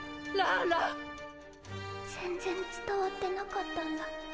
全然伝わってなかったんだ。